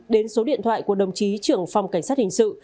đến số điện thoại của đồng chí trưởng phòng cảnh sát hình sự